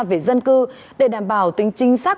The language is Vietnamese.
về dân cư để đảm bảo tính chính xác